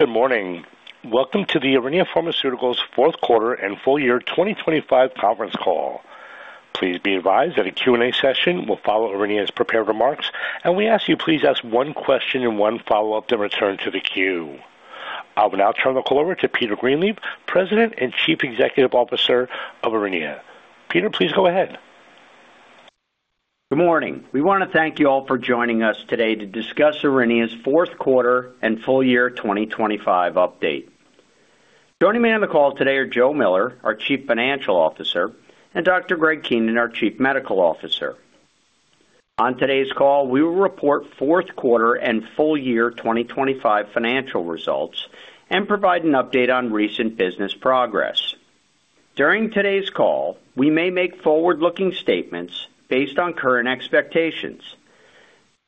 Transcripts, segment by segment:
Good morning. Welcome to the Aurinia Pharmaceuticals Q4 and full-year 2025 conference call. Please be advised that a Q&A session will follow Aurinia's prepared remarks. We ask you please ask one question and one follow-up, then return to the queue. I'll now turn the call over to Peter Greenleaf, President and Chief Executive Officer of Aurinia. Peter, please go ahead. Good morning. We want to thank you all for joining us today to discuss Aurinia's Q4 and full-year 2025 update. Joining me on the call today are Joe Miller, our Chief Financial Officer, and Dr. Greg Keenan, our Chief Medical Officer. On today's call, we will report Q4 and full-year 2025 financial results and provide an update on recent business progress. During today's call, we may make forward-looking statements based on current expectations.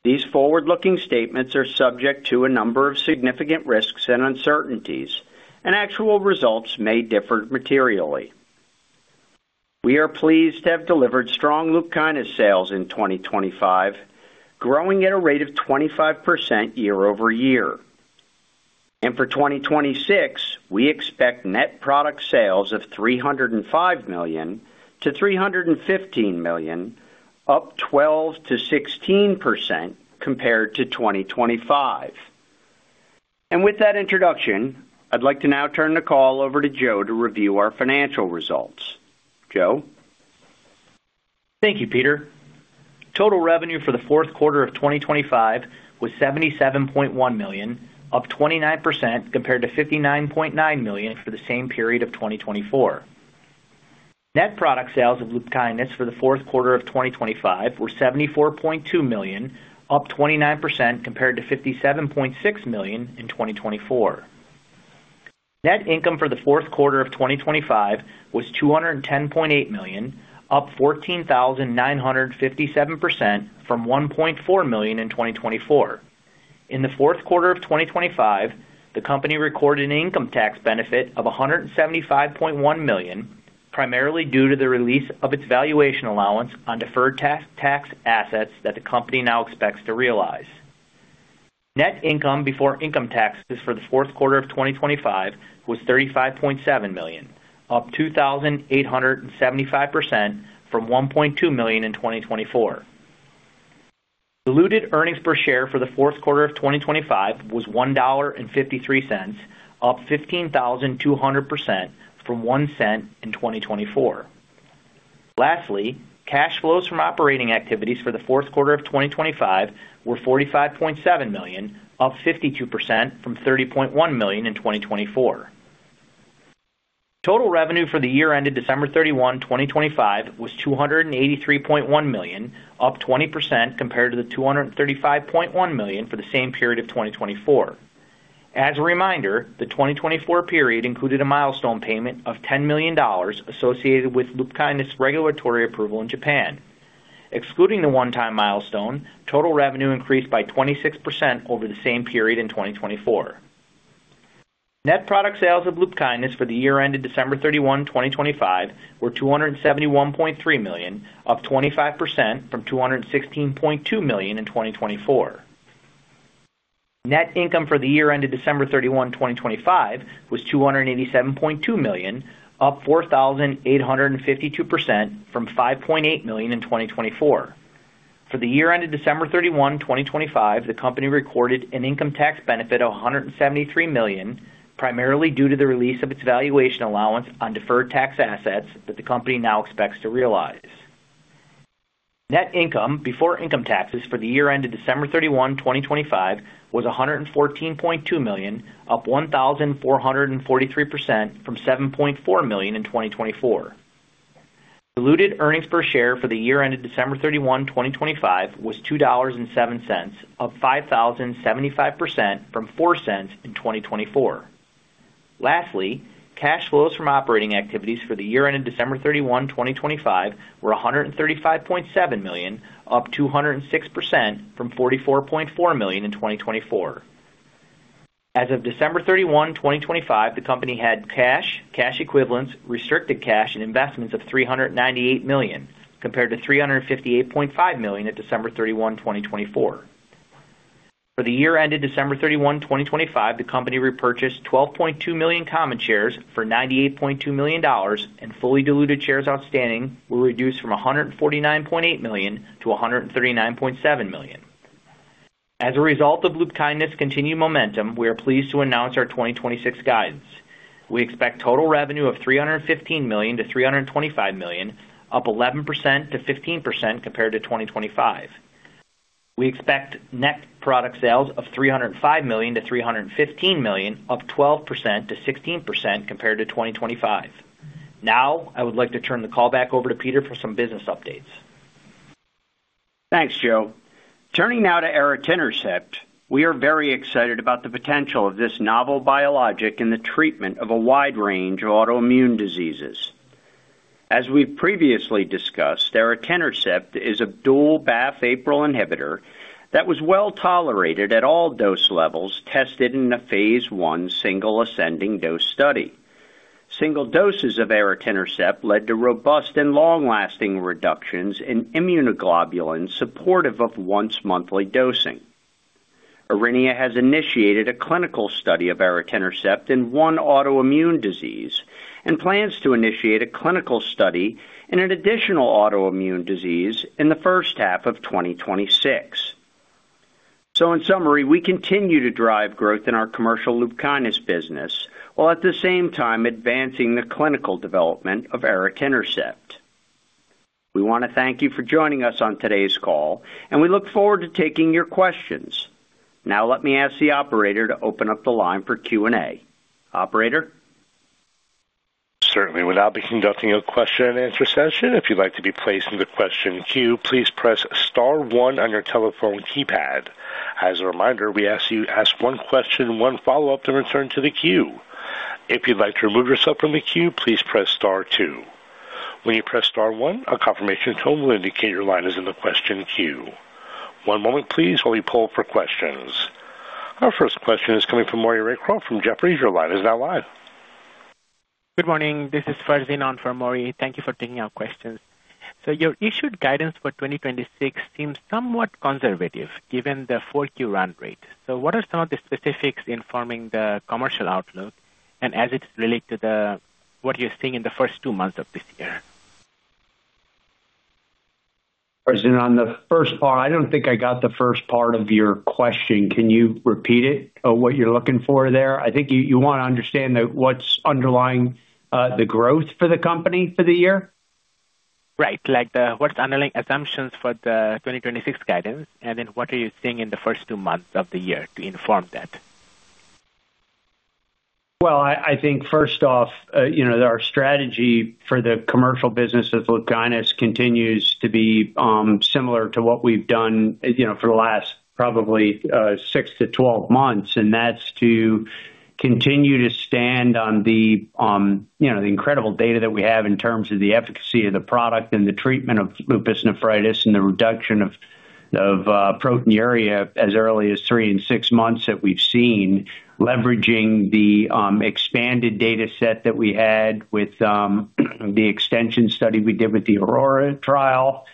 These forward-looking statements are subject to a number of significant risks and uncertainties, and actual results may differ materially. We are pleased to have delivered strong LUPKYNIS sales in 2025, growing at a rate of 25% year-over-year. For 2026, we expect net product sales of $305 million to $315 million, up 12%-16% compared to 2025. With that introduction, I'd like to now turn the call over to Joe to review our financial results. Joe? Thank you, Peter. Total revenue for the Q4 of 2025 was $77.1 million, up 29% compared to $59.9 million for the same period of 2024. Net product sales of LUPKYNIS for the Q4 of 2025 were $74.2 million, up 29% compared to $57.6 million in 2024. Net income for the Q4 of 2025 was $210.8 million, up 14,957% from $1.4 million in 2024. In the Q4 of 2025, the company recorded an income tax benefit of $175.1 million, primarily due to the release of its valuation allowance on deferred tax assets that the company now expects to realize. Net income before income taxes for the Q4 of 2025 was $35.7 million, up 2,875% from $1.2 million in 2024. Diluted earnings per share for the Q4 of 2025 was $1.53, up 15,200% from $0.01 in 2024. Lastly, cash flows from operating activities for the Q4 of 2025 were $45.7 million, up 52% from $30.1 million in 2024. Total revenue for the year ended December 31, 2025, was $283.1 million, up 20% compared to the $235.1 million for the same period of 2024. As a reminder, the 2024 period included a milestone payment of $10 million associated with LUPKYNIS regulatory approval in Japan. Excluding the one-time milestone, total revenue increased by 26% over the same period in 2024. Net product sales of LUPKYNIS for the year ended December 31, 2025, were $271.3 million, up 25% from $216.2 million in 2024. Net income for the year ended December 31, 2025, was $287.2 million, up 4,852% from $5.8 million in 2024. For the year ended December 31, 2025, the company recorded an income tax benefit of $173 million, primarily due to the release of its valuation allowance on deferred tax assets that the company now expects to realize. Net income before income taxes for the year ended December 31, 2025, was $114.2 million, up 1,443% from $7.4 million in 2024. Diluted earnings per share for the year ended December 31, 2025, was $2.07, up 5,075% from $0.04 in 2024. Lastly, cash flows from operating activities for the year ended December 31, 2025, were $135.7 million, up 206% from $44.4 million in 2024. As of December 31, 2025, the company had cash equivalents, restricted cash and investments of $398 million, compared to $358.5 million at December 31, 2024. For the year ended December 31, 2025, the company repurchased 12.2 million common shares for $98.2 million, and fully diluted shares outstanding were reduced from 149.8 million to 139.7 million. As a result of LUPKYNIS's continued momentum, we are pleased to announce our 2026 guidance. We expect total revenue of $315 million-$325 million, up 11%-15% compared to 2025. We expect net product sales of $305 million-$315 million, up 12%-16% compared to 2025. I would like to turn the call back over to Peter for some business updates. Thanks, Joe. Turning now to aritinercept, we are very excited about the potential of this novel biologic in the treatment of a wide range of autoimmune diseases. As we've previously discussed, aritinercept is a dual BAFF/APRIL inhibitor that was well tolerated at all dose levels tested in the phase I single ascending dose study. Single doses of aritinercept led to robust and long-lasting reductions in immunoglobulin, supportive of once monthly dosing. Aurinia has initiated a clinical study of aritinercept in one autoimmune disease and plans to initiate a clinical study in an additional autoimmune disease in the first half of 2026. In summary, we continue to drive growth in our commercial LUPKYNIS business, while at the same time advancing the clinical development of aritinercept. We want to thank you for joining us on today's call, and we look forward to taking your questions. Let me ask the operator to open up the line for Q&A. Operator? Certainly. We'll now be conducting a question-and-answer session. If you'd like to be placed in the question queue, please press star one on your telephone keypad. As a reminder, we ask you to ask one question, one follow-up, to return to the queue. If you'd like to remove yourself from the queue, please press star two. When you press star one, a confirmation tone will indicate your line is in the question queue. One moment please, while we poll for questions. Our first question is coming from Maury Raycroft from Jefferies. Your line is now live. Good morning. This is Farzin Haque on for Maury. Thank you for taking our questions. Your issued guidance for 2026 seems somewhat conservative given the full Q run rate. What are some of the specifics in forming the commercial outlook and as it's related to what you're seeing in the first two months of this year? Farzin, on the first part, I don't think I got the first part of your question. Can you repeat it, what you're looking for there? I think you want to understand that what's underlying, the growth for the company for the year. Right. Like, the what's underlying assumptions for the 2026 guidance, and then what are you seeing in the first two months of the year to inform that? Well, I think first off, you know, our strategy for the commercial business of LUPKYNIS continues to be, similar to what we've done, you know, for the last probably, six to 12 months. That's to continue to stand on the, you know, the incredible data that we have in terms of the efficacy of the product and the treatment of lupus nephritis and the reduction of proteinuria as early as three and six months that we've seen, leveraging the expanded data set that we had with the extension study we did with the AURORA trial,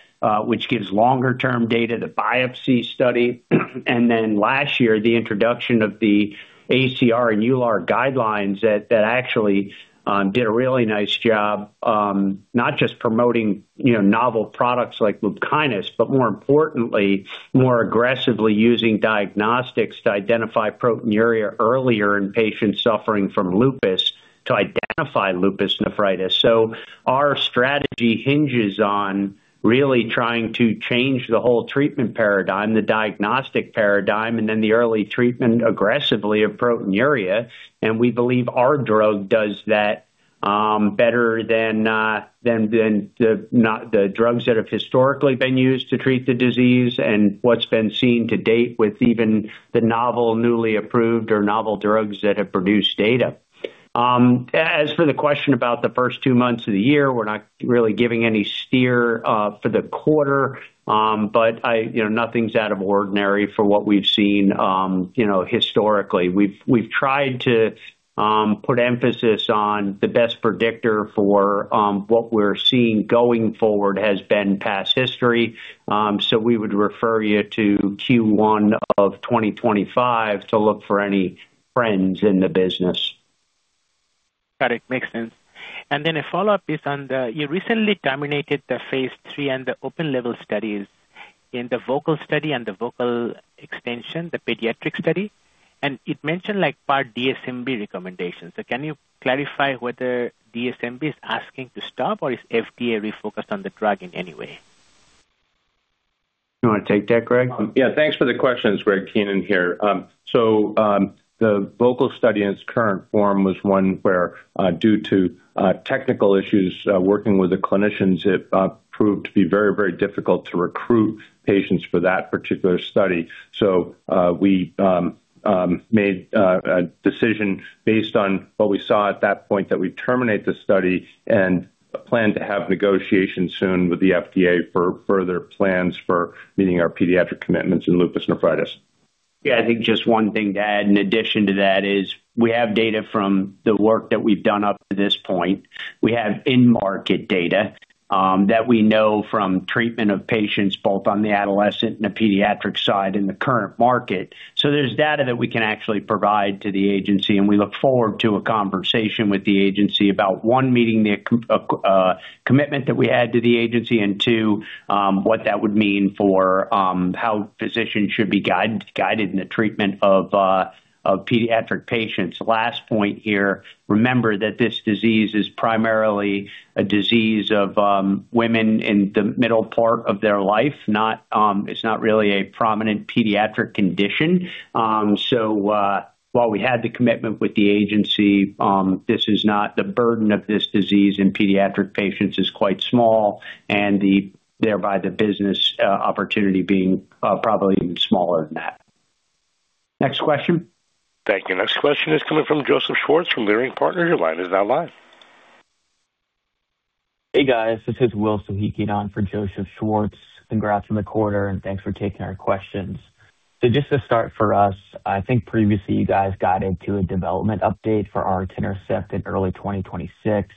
which gives longer-term data, the biopsy study. Last year, the introduction of the ACR and EULAR guidelines that actually did a really nice job, not just promoting, you know, novel products like LUPKYNIS, but more importantly, more aggressively using diagnostics to identify proteinuria earlier in patients suffering from lupus to identify lupus nephritis. Our strategy hinges on really trying to change the whole treatment paradigm, the diagnostic paradigm, and then the early treatment, aggressively, of proteinuria. We believe our drug does that better than the drugs that have historically been used to treat the disease and what's been seen to date with even the novel, newly approved or novel drugs that have produced data. As for the question about the first two months of the year, we're not really giving any steer for the quarter. I, you know, nothing's out of ordinary for what we've seen, you know, historically. We've tried to put emphasis on the best predictor for, what we're seeing going forward has been past history. We would refer you to Q1 of 2025 to look for any trends in the business. Got it. Makes sense. A follow-up is on the, you recently terminated the phase III and the open-label studies in the VOCAL study and the VOCAL extension, the pediatric study, and it mentioned, like, part DSMB recommendations. Can you clarify whether DSMB is asking to stop, or is FDA refocused on the drug in any way? You want to take that, Greg? Yeah, thanks for the questions, Greg Keenan here. The VOCAL study in its current form was one where, due to technical issues, working with the clinicians, it proved to be very, very difficult to recruit patients for that particular study. We made a decision based on what we saw at that point, that we terminate the study and plan to have negotiations soon with the FDA for further plans for meeting our pediatric commitments in lupus nephritis. Yeah, I think just 1 thing to add, in addition to that, is we have data from the work that we've done up to this point. We have in-market data that we know from treatment of patients, both on the adolescent and the pediatric side in the current market. There's data that we can actually provide to the agency, and we look forward to a conversation with the agency about, one, meeting the commitment that we had to the agency, and two, what that would mean for how physicians should be guided in the treatment of pediatric patients. Last point here, remember that this disease is primarily a disease of women in the middle part of their life, not, it's not really a prominent pediatric condition. While we had the commitment with the agency, this is not the burden of this disease in pediatric patients is quite small, and thereby the business opportunity is being probably even smaller than that. Next question. Thank you. Next question is coming from Joseph Schwartz from Leerink Partners. Your line is now live. Hey, guys, this is Will Soghikian on for Joseph P. Schwartz. Congrats on the quarter, and thanks for taking our questions. Just to start for us, I think previously you guys guided to a development update for aritinercept in early 2026.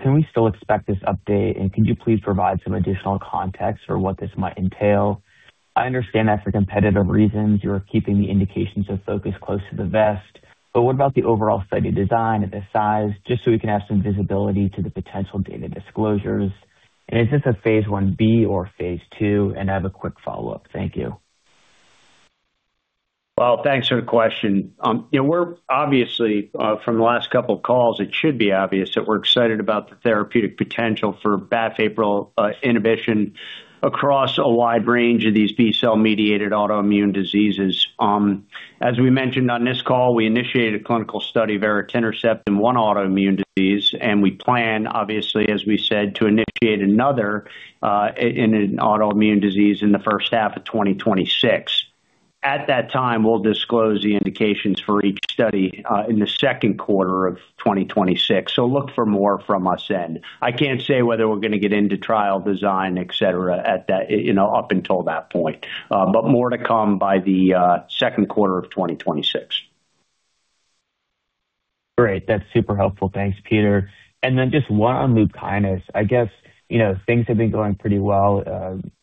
Can we still expect this update? Could you please provide some additional context for what this might entail? I understand that for competitive reasons, you're keeping the indications of focus close to the vest, but what about the overall study design and the size, just so we can have some visibility to the potential data disclosures? Is this a phase I-B or phase II? I have a quick follow-up. Thank you. Thanks for the question. you know, we're obviously from the last couple of calls, it should be obvious that we're excited about the therapeutic potential for BAFF/APRIL inhibition across a wide range of these B-cell-mediated autoimmune diseases. As we mentioned on this call, we initiated a clinical study of aritinercept in one autoimmune disease, and we plan, obviously, as we said, to initiate another in an autoimmune disease in the first half of 2026. At that time, we'll disclose the indications for each study in the Q2 of 2026. Look for more from us then. I can't say whether we're gonna get into trial design, et cetera, at that, you know, up until that point, but more to come by the Q2 of 2026. Great. That's super helpful. Thanks, Peter. Just one on lupus nephritis. I guess, you know, things have been going pretty well.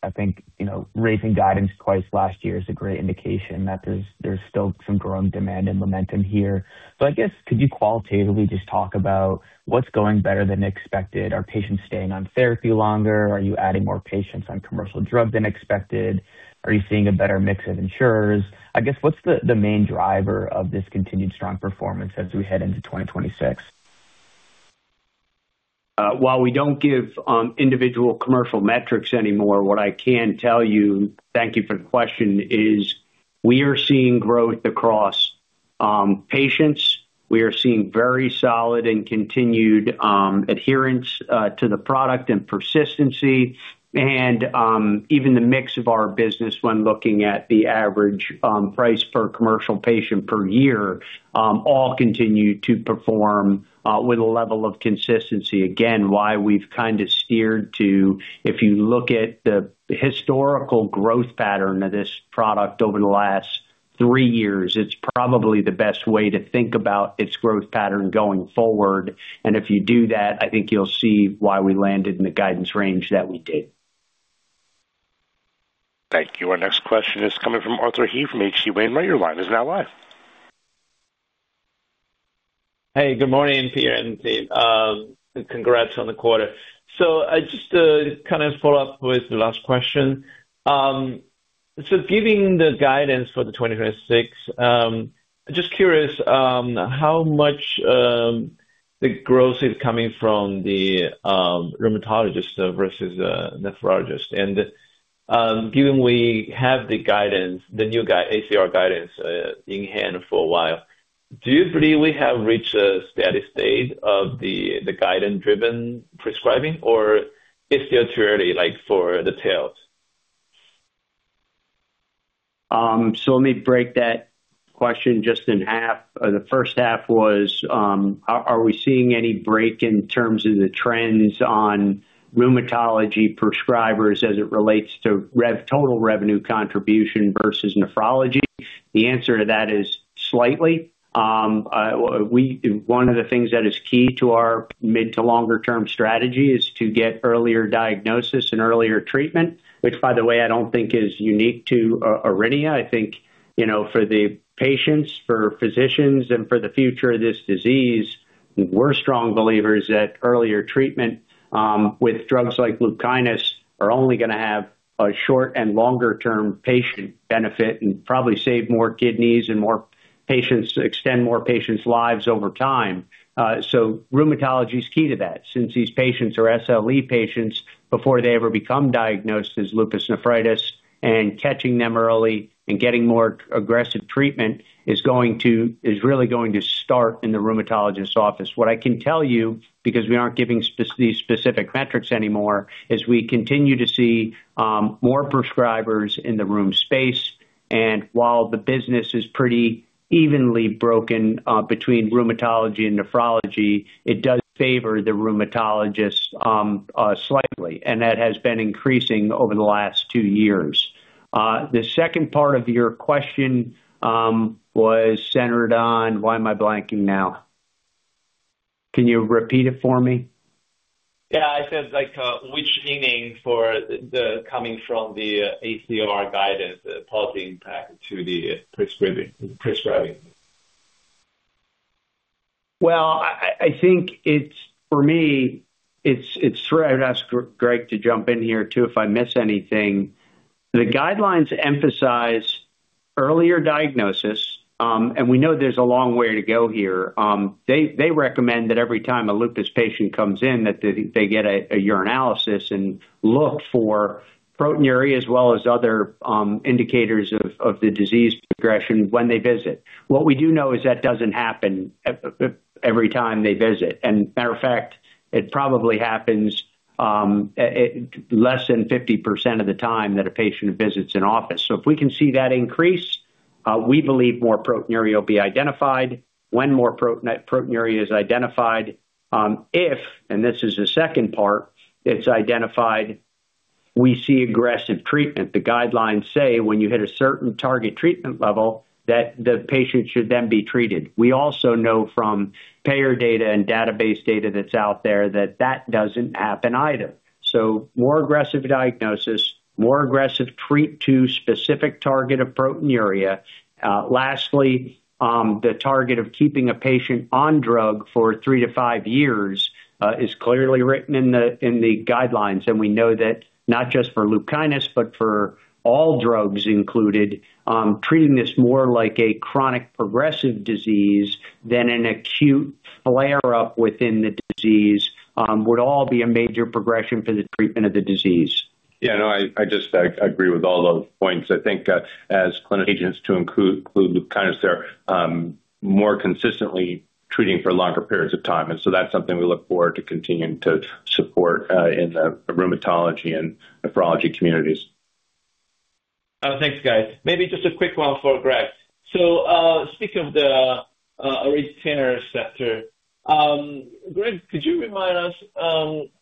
I think, you know, raising guidance twice last year is a great indication that there's still some growing demand and momentum here. I guess, could you qualitatively just talk about what's going better than expected? Are patients staying on therapy longer? Are you adding more patients on commercial drug than expected? Are you seeing a better mix of insurers? I guess, what's the main driver of this continued strong performance as we head into 2026? While we don't give individual commercial metrics anymore, what I can tell you, thank you for the question, is we are seeing growth across patients. We are seeing very solid and continued adherence to the product and persistency, and even the mix of our business when looking at the average price per commercial patient per year, all continue to perform with a level of consistency. Again, why we've kind of steered to. If you look at the historical growth pattern of this product over the last three years, it's probably the best way to think about its growth pattern going forward. If you do that, I think you'll see why we landed in the guidance range that we did. Thank you. Our next question is coming from Arthur He from H.C. Wainwright. Your line is now live. Hey, good morning, Peter and Greg. Congrats on the quarter. I just kind of follow up with the last question. Giving the guidance for the 2026, just curious how much the growth is coming from the rheumatologist versus the nephrologist? Given we have the guidance, the new guide, ACR guidance in hand for a while, do you believe we have reached a steady state of the guidance-driven prescribing, or it's still too early, like, for the tails? Let me break that question just in half. The first half was, are we seeing any break in terms of the trends on rheumatology prescribers as it relates to total revenue contribution versus nephrology? The answer to that is slightly. One of the things that is key to our mid to longer term strategy is to get earlier diagnosis and earlier treatment, which, by the way, I don't think is unique to Aurinia. I think, you know, for the patients, for physicians, and for the future of this disease, we're strong believers that earlier treatment, with drugs like LUPKYNIS, are only gonna have a short and longer term patient benefit and probably save more kidneys and more patients, extend more patients' lives over time. Rheumatology is key to that since these patients are SLE patients before they ever become diagnosed as lupus nephritis, and catching them early and getting more aggressive treatment is really going to start in the rheumatologist's office. What I can tell you, because we aren't giving these specific metrics anymore, is we continue to see more prescribers in the rheum space, and while the business is pretty evenly broken between rheumatology and nephrology, it does favor the rheumatologist slightly, and that has been increasing over the last two years. The second part of your question was centered on. Why am I blanking now? Can you repeat it for me? Yeah, I said, like, which meaning for the coming from the ACR guidance, the policy impact to the prescribing? Well, I think it's, for me, it's true. I'd ask Greg to jump in here, too, if I miss anything. The guidelines emphasize earlier diagnosis. We know there's a long way to go here. They recommend that every time a lupus patient comes in, that they get a urine analysis and look for proteinuria, as well as other indicators of the disease progression when they visit. What we do know is that doesn't happen every time they visit. Matter of fact, it probably happens less than 50% of the time that a patient visits an office. If we can see that, we believe more proteinuria will be identified. When more proteinuria is identified, and this is the second part, it's identified, we see aggressive treatment. The guidelines say when you hit a certain target treatment level, that the patient should then be treated. We also know from payer data and database data that's out there that that doesn't happen either. More aggressive diagnosis, more aggressive treat to specific target of proteinuria. Lastly, the target of keeping a patient on drug for three-five years is clearly written in the, in the guidelines, and we know that not just for LUPKYNIS, but for all drugs included, treating this more like a chronic progressive disease than an acute flare-up within the disease, would all be a major progression for the treatment of the disease. Yeah, no, I just, I agree with all those points. I think, as calcineurin agents to include LUPKYNIS there, more consistently treating for longer periods of time. That's something we look forward to continuing to support in the rheumatology and nephrology communities. Oh, thanks, guys. Maybe just a quick one for Greg. Speaking of the aritinercept, Greg, could you remind us,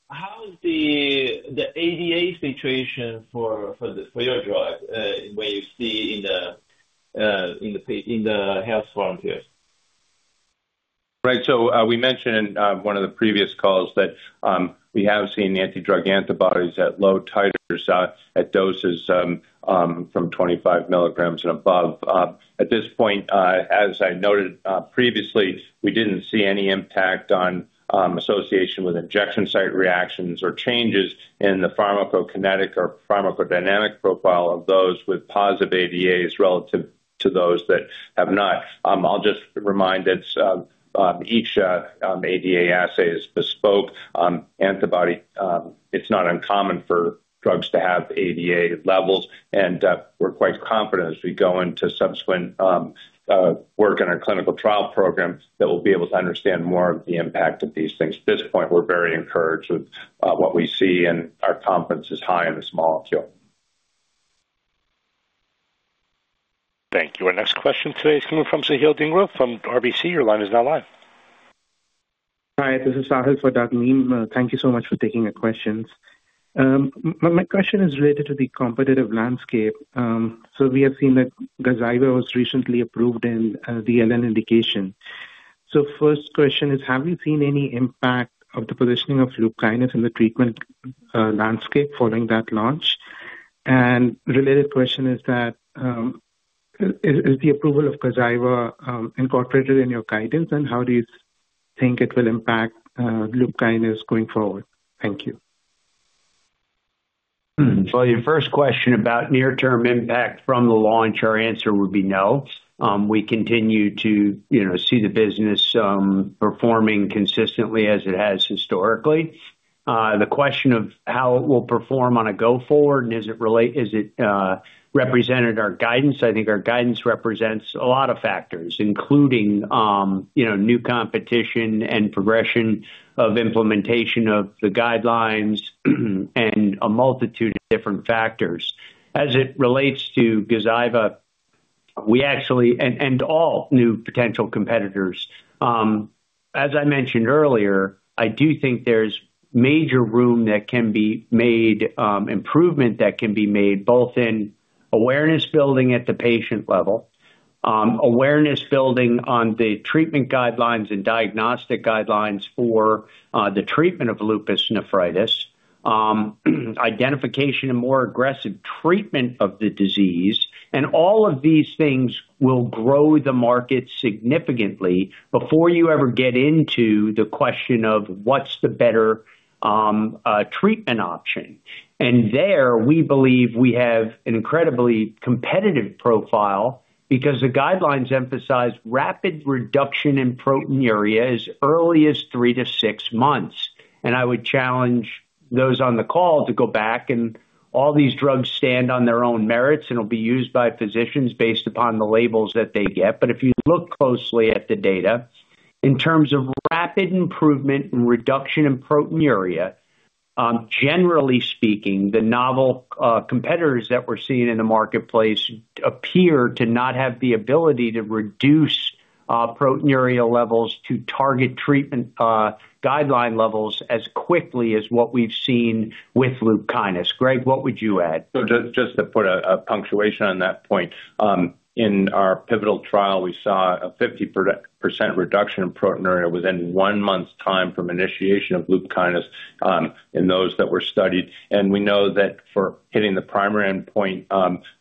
how is the ADA situation for the, for your drug, where you see in the health volunteers? Right. We mentioned in one of the previous calls that we have seen the anti-drug antibodies at low titers, at doses from 25 mg and above. At this point, as I noted previously, we didn't see any impact on association with injection site reactions or changes in the pharmacokinetic or pharmacodynamic profile of those with positive ADAs relative to those that have not. I'll just remind it, each ADA assay is bespoke antibody. It's not uncommon for drugs to have ADA levels, and we're quite confident as we go into subsequent work in our clinical trial program, that we'll be able to understand more of the impact of these things. At this point, we're very encouraged with what we see, and our confidence is high in this molecule. Thank you. Our next question today is coming from Sahil Dhingra, from RBC. Your line is now live. Hi, this is Sahil Dhingra. Thank you so much for taking the questions. My question is related to the competitive landscape. We have seen that GAZYVA was recently approved in the LN indication. First question is, have you seen any impact of the positioning of LUPKYNIS in the treatment landscape following that launch? Related question is that, is the approval of GAZYVA incorporated in your guidance, and how do you think it will impact LUPKYNIS going forward? Thank you. Your first question about near-term impact from the launch, our answer would be no. We continue to, you know, see the business performing consistently as it has historically. The question of how it will perform on a go-forward and represented in our guidance? I think our guidance represents a lot of factors, including, you know, new competition and progression of implementation of the guidelines, and a multitude of different factors. As it relates to GAZYVA, we actually All new potential competitors, as I mentioned earlier, I do think there's major room that can be made, improvement that can be made, both in awareness building at the patient level, awareness building on the treatment guidelines and diagnostic guidelines for the treatment of lupus nephritis, identification and more aggressive treatment of the disease, and all of these things will grow the market significantly before you ever get into the question of: What's the better treatment option? There, we believe we have an incredibly competitive profile because the guidelines emphasize rapid reduction in proteinuria as early as three to six months. I would challenge those on the call to go back, and all these drugs stand on their own merits and will be used by physicians based upon the labels that they get. If you look closely at the data, in terms of rapid improvement and reduction in proteinuria, generally speaking, the novel competitors that we're seeing in the marketplace appear to not have the ability to reduce proteinuria levels to target treatment guideline levels as quickly as what we've seen with LUPKYNIS. Greg, what would you add? Just to put a punctuation on that point, in our pivotal trial, we saw a 50% reduction in proteinuria within one month's time from initiation of LUPKYNIS in those that were studied. We know that for hitting the primary endpoint,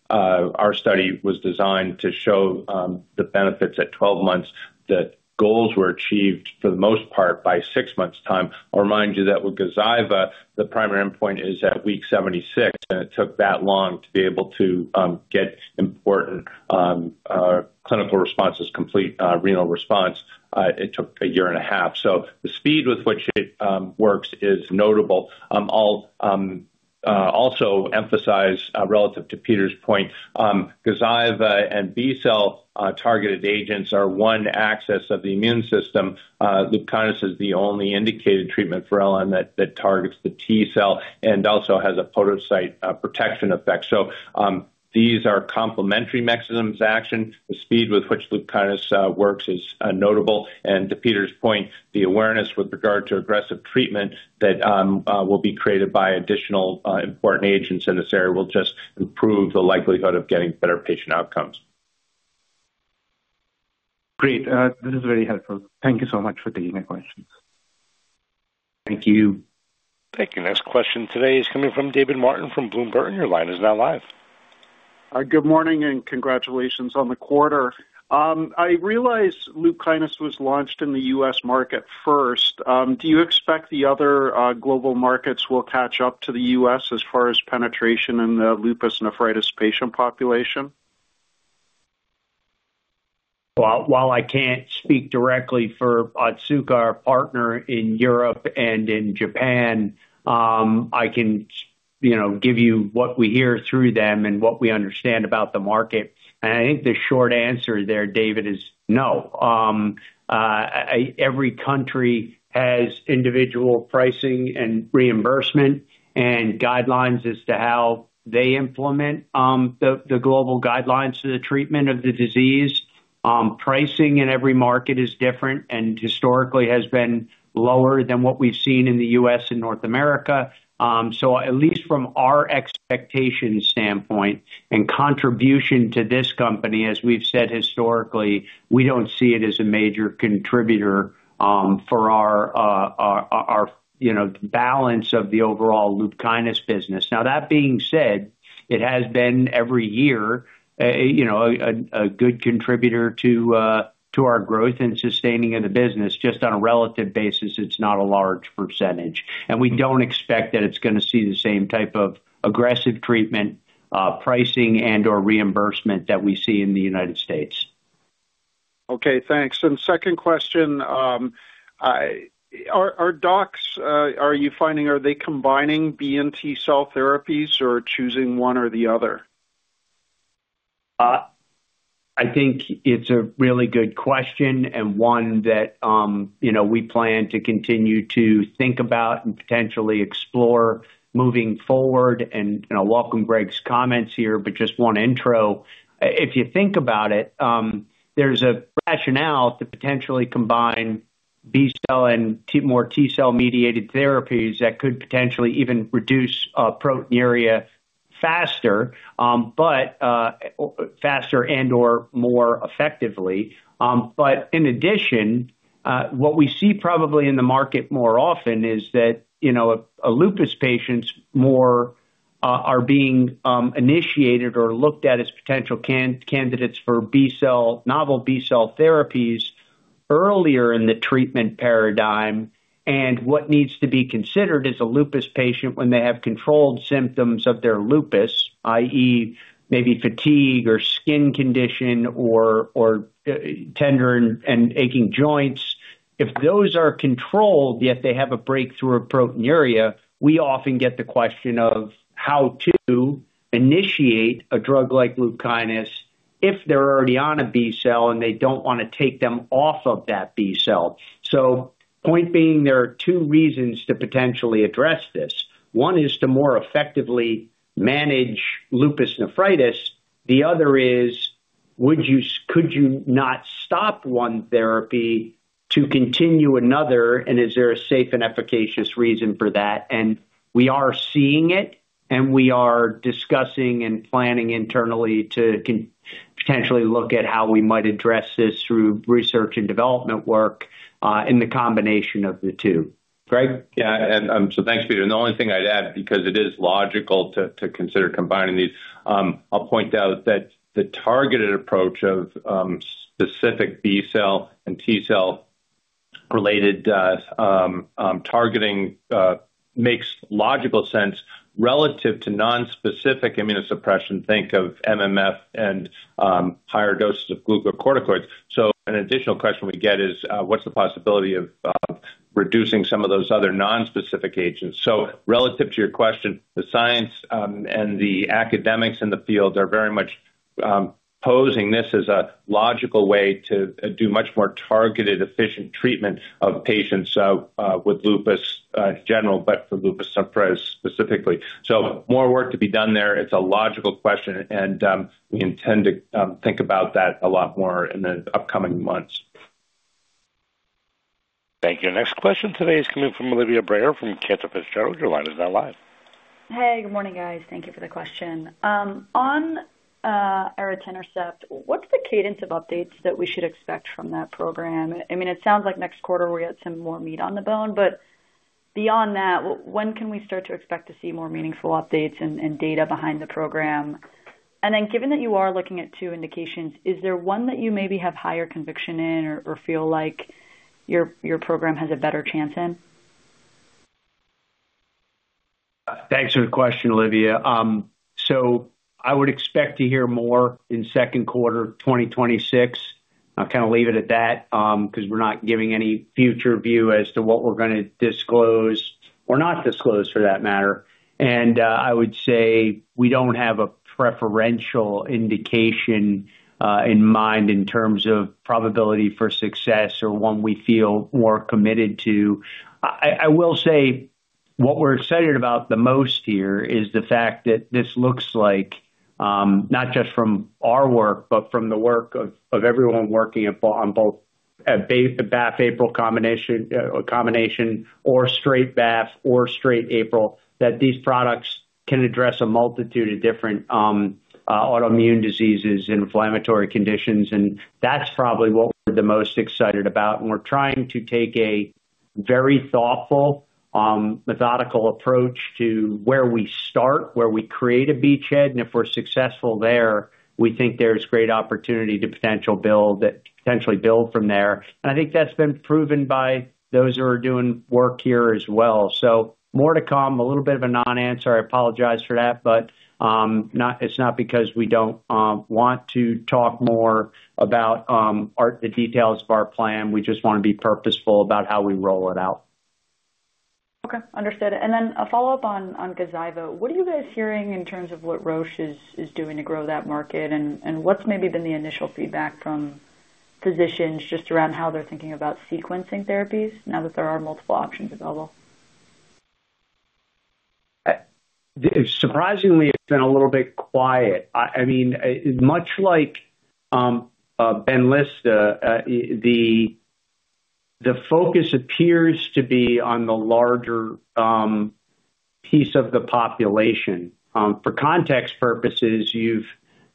our study was designed to show the benefits at 12 months, that goals were achieved, for the most part, by six months' time. I'll remind you that with GAZYVA, the primary endpoint is at week 76, and it took that long to be able to get important clinical responses, complete renal response, it took a year and a half. The speed with which it works is notable. I'll also emphasize relative to Peter's point, GAZYVAS and B-cell targeted agents are one axis of the immune system. LUPKYNIS is the only indicated treatment for LN that targets the T-cell and also has a podocyte protection effect. These are complementary mechanisms of action. The speed with which LUPKYNIS works is notable, and to Peter's point, the awareness with regard to aggressive treatment that will be created by additional important agents in this area will just improve the likelihood of getting better patient outcomes. Great. This is very helpful. Thank you so much for taking my questions. Thank you. Thank you. Next question today is coming from David Martin from Bloomberg. Your line is now live. Good morning, and congratulations on the quarter. I realize LUPKYNIS was launched in the U.S. market first. Do you expect the other global markets will catch up to the U.S. as far as penetration in the lupus nephritis patient population? Well, while I can't speak directly for Otsuka, our partner in Europe and in Japan, I can, you know, give you what we hear through them and what we understand about the market. I think the short answer there, David, is no. Every country has individual pricing and reimbursement and guidelines as to how they implement the global guidelines to the treatment of the disease. Pricing in every market is different and historically has been lower than what we've seen in the US and North America. So at least from our expectation standpoint and contribution to this company, as we've said historically, we don't see it as a major contributor for our, you know, balance of the overall LUPKYNIS business. That being said, it has been every year, you know, a good contributor to our growth and sustaining of the business. Just on a relative basis, it's not a large percentage, and we don't expect that it's gonna see the same type of aggressive treatment, pricing, and/or reimbursement that we see in the United States. Okay, thanks. Second question, are docs, are you finding, are they combining B-cell and T-cell therapies or choosing one or the other? I think it's a really good question and one that, you know, we plan to continue to think about and potentially explore moving forward. I'll welcome Greg's comments here, but just one intro. If you think about it, there's a rationale to potentially combine B-cell and T, more T-cell mediated therapies that could potentially even reduce proteinuria faster, but faster and/or more effectively. But in addition, what we see probably in the market more often is that, you know, a lupus patients more are being initiated or looked at as potential candidates for B-cell, novel B-cell therapies earlier in the treatment paradigm. What needs to be considered is a lupus patient when they have controlled symptoms of their lupus, i.e., maybe fatigue or skin condition or, tender and aching joints. If those are controlled, yet they have a breakthrough of proteinuria, we often get the question of how to initiate a drug like LUPKYNIS if they're already on a B-cell and they don't wanna take them off of that B-cell. Point being, there are two reasons to potentially address this. One is to more effectively manage lupus nephritis. The other is, would you could you not stop one therapy to continue another, and is there a safe and efficacious reason for that? We are seeing it, and we are discussing and planning internally to potentially look at how we might address this through research and development work in the combination of the two. Greg? Yeah, thanks, Peter. The only thing I'd add, because it is logical to consider combining these, I'll point out that the targeted approach of specific B-cell and T-cell related targeting makes logical sense relative to nonspecific immunosuppression, think of MMF and higher doses of glucocorticoids. An additional question we get is what's the possibility of reducing some of those other nonspecific agents? Relative to your question, the science and the academics in the field are very much posing this as a logical way to do much more targeted, efficient treatment of patients with lupus in general, but for lupus nephritis specifically. More work to be done there. It's a logical question, and we intend to think about that a lot more in the upcoming months. Thank you. Next question today is coming from Olivia Brayer from Cantor Fitzgerald. Your line is now live. Hey, good morning, guys. Thank you for the question. on aritinercept, what's the cadence of updates that we should expect from that program? I mean, it sounds like next quarter we get some more meat on the bone, but beyond that, when can we start to expect to see more meaningful updates and data behind the program? Given that you are looking at two indications, is there one that you maybe have higher conviction in or feel like your program has a better chance in? Thanks for the question, Olivia. I would expect to hear more in Q2 of 2026. I'll kind of leave it at that, 'cause we're not giving any future view as to what we're gonna disclose or not disclose for that matter. I would say we don't have a preferential indication in mind in terms of probability for success or one we feel more committed to. I will say what we're excited about the most here is the fact that this looks like not just from our work, but from the work of everyone working on both, the BAFF/APRIL combination, or straight BAFF or straight APRIL, that these products can address a multitude of different autoimmune diseases and inflammatory conditions. That's probably what we're the most excited about, and we're trying to take a very thoughtful, methodical approach to where we start, where we create a beachhead, and if we're successful there, we think there's great opportunity to potential build, potentially build from there. I think that's been proven by those who are doing work here as well. More to come. A little bit of a non-answer. I apologize for that, but, not, it's not because we don't want to talk more about, our, the details of our plan. We just wanna be purposeful about how we roll it out. Okay, understood. Then a follow-up on GAZYVA. What are you guys hearing in terms of what Roche is doing to grow that market, and what's maybe been the initial feedback from physicians just around how they're thinking about sequencing therapies now that there are multiple options available? Surprisingly, it's been a little bit quiet. I mean, much like BENLYSTA, the focus appears to be on the larger piece of the population. For context purposes, you've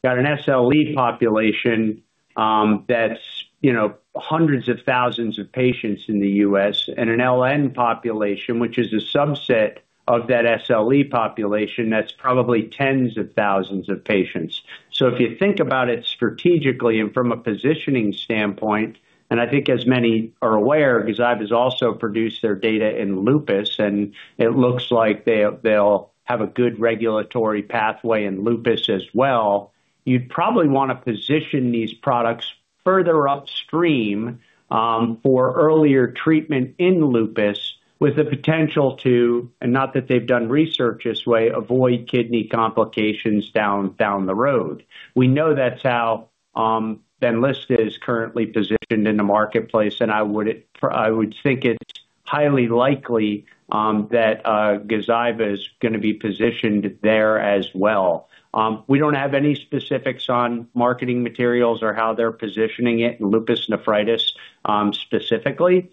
got an SLE population that's, you know, hundreds of thousands of patients in the U.S., and an LN population, which is a subset of that SLE population, that's probably tens of thousands of patients. If you think about it strategically and from a positioning standpoint, and I think as many are aware, GAZYVA has also produced their data in lupus, and it looks like they'll have a good regulatory pathway in lupus as well. You'd probably want to position these products further upstream for earlier treatment in lupus, with the potential to, and not that they've done research this way, avoid kidney complications down the road. We know that's how BENLYSTA is currently positioned in the marketplace, and I would think it's highly likely that GAZYVA is gonna be positioned there as well. We don't have any specifics on marketing materials or how they're positioning it in lupus nephritis specifically.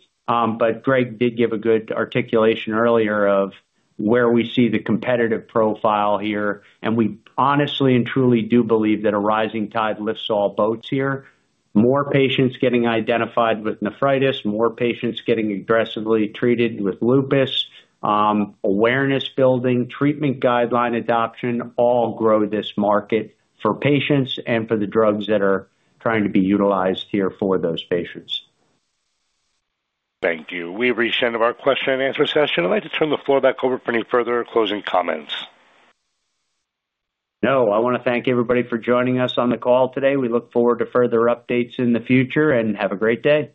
Greg did give a good articulation earlier of where we see the competitive profile here, and we honestly and truly do believe that a rising tide lifts all boats here. More patients getting identified with nephritis, more patients getting aggressively treated with lupus, awareness building, treatment guideline adoption, all grow this market for patients and for the drugs that are trying to be utilized here for those patients. Thank you. We've reached the end of our question-and-answer session. I'd like to turn the floor back over for any further closing comments. No, I wanna thank everybody for joining us on the call today. We look forward to further updates in the future, and have a great day.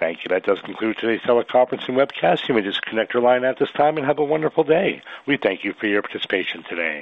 Thank you. That does conclude today's teleconference and webcast. You may disconnect your line at this time and have a wonderful day. We thank you for your participation today.